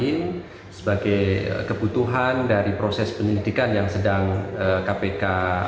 ini sebagai kebutuhan dari proses penyelidikan yang sedang kpk